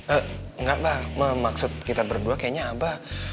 enggak pak maksud kita berdua kayaknya abah